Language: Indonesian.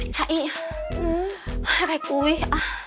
cak i rekuih